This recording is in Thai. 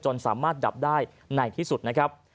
สามารถดับได้ในที่สุดนะครับ